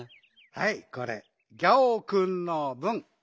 はいこれギャオくんのぶん。